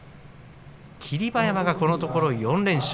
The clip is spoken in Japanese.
霧馬山が、このところ４連勝。